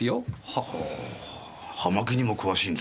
ほぉ葉巻にも詳しいんですね。